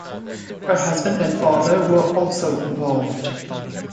Her husband and father were also involved.